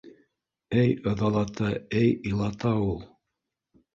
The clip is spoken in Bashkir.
Эй ыҙалата, эй илата ул.